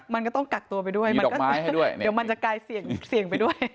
มันก็ต้องกักตัวไปด้วยมีดอกไม้ให้ด้วยเดี๋ยวมันจะกลายเสี่ยงไปด้วย